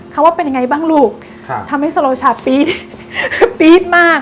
เขาว่าเป็นยังไงบ้างลูกทำให้สโรชาปี๊ดมาก